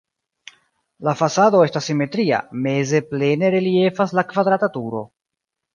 La fasado estas simetria, meze plene reliefas la kvadrata turo.